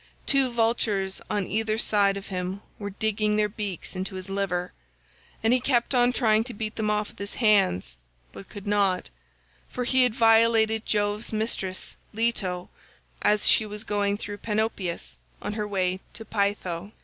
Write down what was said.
Two vultures on either side of him were digging their beaks into his liver, and he kept on trying to beat them off with his hands, but could not; for he had violated Jove's mistress Leto as she was going through Panopeus on her way to Pytho.